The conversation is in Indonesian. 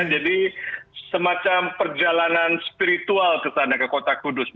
jadi semacam perjalanan spiritual ke sana ke kota kudus